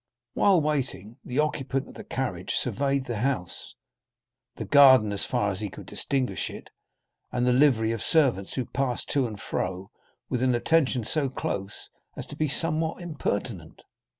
While waiting, the occupant of the carriage surveyed the house, the garden as far as he could distinguish it, and the livery of servants who passed to and fro, with an attention so close as to be somewhat impertinent.